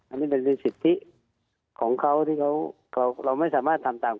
อันนี้เป็นลีนสิทธิของเขา๒